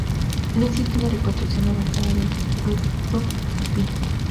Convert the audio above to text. No existe una reconstrucción avanzada del proto-tupí.